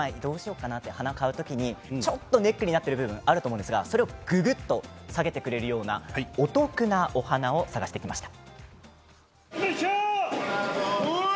花を買う時にちょっとネックになっている部分があると思うんですがそれをぐぐっと下げてくれるような、お得なお花を探してきました。